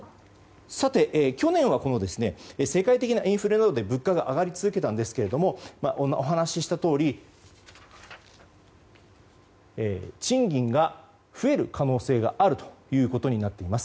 さて、去年はこの世界的なインフレなどで物価が上がり続けたんですが今、お話ししたとおり賃金が増える可能性があるということになっています。